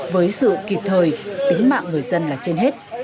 với sự kịp thời tính mạng người dân là trên hết